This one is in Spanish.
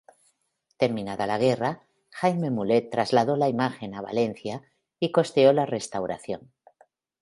Terminada la guerra, Jaime Mulet trasladó la imagen a Valencia y costeó la restauración.